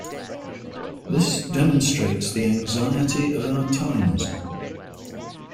This demonstrates the anxiety of our times.